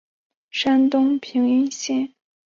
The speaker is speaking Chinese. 山东兖州平阴县东阿镇洪范村人。